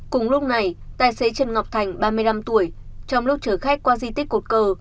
cùng lúc này tài xế trần ngọc thành ba mươi năm tuổi trong lúc chở khách qua di tích cột cờ